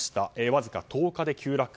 わずか１０日で急落。